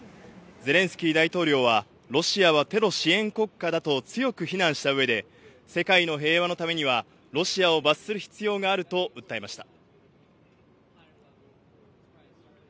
ゼレンスキー大統領は、ロシアはテロ支援国家だと強く非難した上で、世界の平和のためにはロシアを罰する必要があると訴えました。